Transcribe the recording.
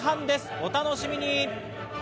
お楽しみに。